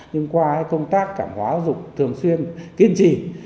nhưng qua công tác cảng hóa dục thường xuyên kiên trì